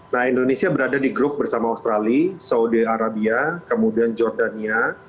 nah indonesia berada di grup bersama australia saudi arabia kemudian jordania